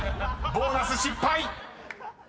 ボーナス失敗！］